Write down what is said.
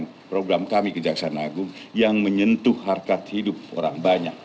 dan program kami kejaksana agung yang menyentuh harkat hidup orang banyak